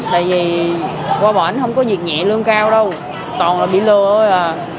tại vì qua bỏnh không có việc nhẹ lương cao đâu toàn là bị lừa thôi à